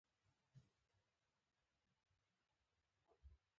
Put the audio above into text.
د افغانستان بانکي سیستم څومره خوندي دی؟